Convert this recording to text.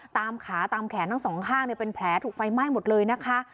ตามขาตามแขนทั้งสองข้างเป็นแผลถูกไฟไหม้หมดเลยนะคะ